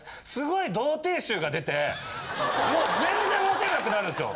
もう全然モテなくなるんすよ。